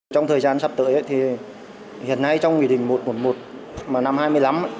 trong thời gian sắp tới hiện nay trong nghị định một trăm một mươi một năm hai nghìn hai mươi năm